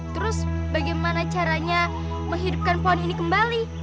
terus bagaimana caranya menghidupkan pohon ini kembali